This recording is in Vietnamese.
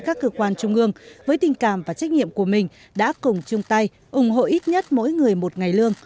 các cơ quan trung ương với tình cảm và trách nhiệm của mình đã cùng chung tay ủng hộ ít nhất mỗi người một ngày lương